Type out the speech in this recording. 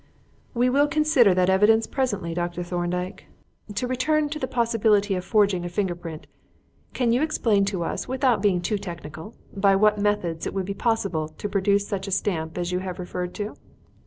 "We will consider that evidence presently, Dr. Thorndyke. To return to the possibility of forging a finger print, can you explain to us, without being too technical, by what methods it would be possible to produce such a stamp as you have referred to?"